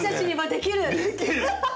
できる！